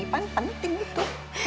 pan penting gitu